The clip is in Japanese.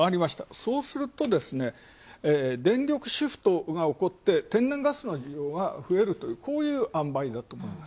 そうすると、電力シフトが起こって、天然ガスの需要が増えるというこういう按配だと思います。